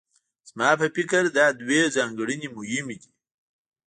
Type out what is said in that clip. زما په فکر دا دوه ځانګړنې مهمې دي.